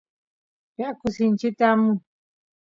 yaku sinchita amun